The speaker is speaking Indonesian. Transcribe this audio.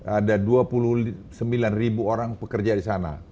ada dua puluh sembilan ribu orang pekerja di sana